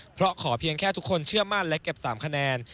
เพราะขอเพียงแค่ทุกคนเชื่อมั่นและเก็บ๓คะแนน